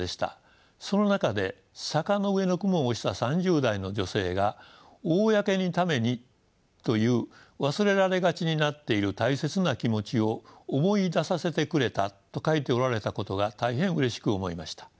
その中で「坂の上の雲」を推した３０代の女性が「公のためにという忘れられがちになっている大切な気持ちを思い出させてくれた」と書いておられたことが大変うれしく思いました。